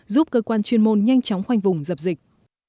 giúp cơ quan chuyên môn nhanh chóng khoanh vùng dập dịch